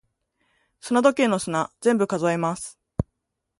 砂時計の砂、全部数えます。